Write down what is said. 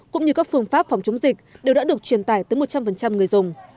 cũng như các phương pháp phòng chống dịch đều đã được truyền tải tới một trăm linh người dùng